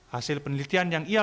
hasil penelitian yang ialah